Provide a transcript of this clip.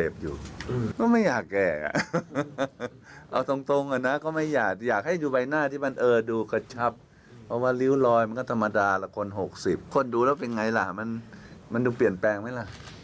แผลน่ะก็เนี่ยดูดิมันก็ไม่มีแผล